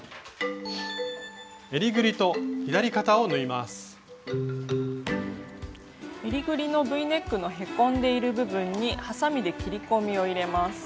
えりぐりのＶネックのへこんでいる部分にはさみで切り込みを入れます。